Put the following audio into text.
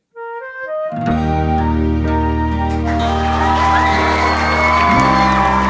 ขอบคุณครับ